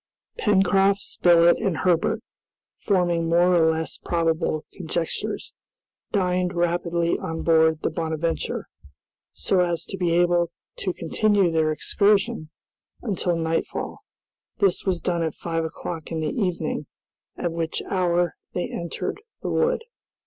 Pencroft, Spilett, and Herbert, forming more or less probable conjectures, dined rapidly on board the "Bonadventure" so as to be able to continue their excursion until nightfall. This was done at five o'clock in the evening, at which hour they entered the wood.